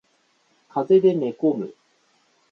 風邪で寝込む